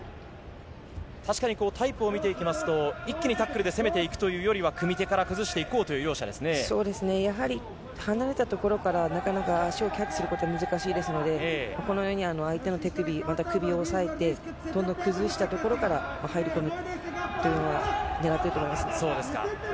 確かにタイプを見ていきますと、一気にタックルで攻めていくというよりは、組手から崩していこうそうですね、やはり離れたところからなかなか足をキャッチすることは難しいですので、このように相手の手首、また首を押さえて、どんどん崩したところから入り込むというのをねらっていると思いそうですか。